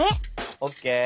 オッケー。